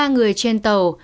hai mươi ba người trên tàu